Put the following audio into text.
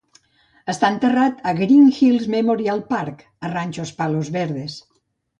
Està enterrat al Green Hills Memorial Park a Rancho Palos Verdes.